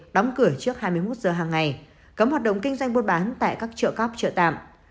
đóng cửa trước hai mươi một giờ hàng ngày cấm hoạt động kinh doanh buôn bán tại các chợ cóc chợ tạm